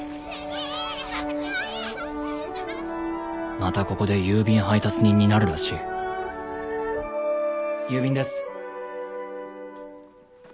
またここで郵便配達人になるらしい郵便です。